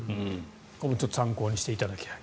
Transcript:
これも参考にしていただきたい。